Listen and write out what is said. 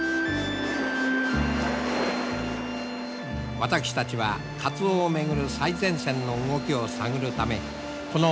私たちはカツオをめぐる最前線の動きを探るためこの第２３